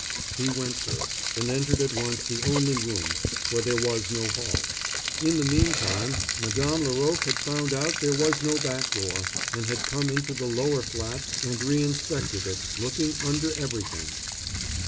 He went first and entered at once the only room, for there was no hall. In the mean time Madame Laroque had found out that there was no back door, and had come into the lower flat and reinspected it, looking under everything.